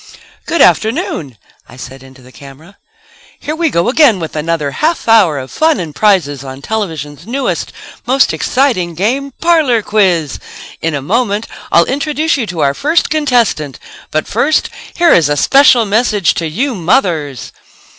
"Good afternoon," I said into the camera, "here we go again with another half hour of fun and prizes on television's newest, most exciting, game, 'Parlor Quiz.' In a moment I'll introduce you to our first contestant. But first here is a special message to you mothers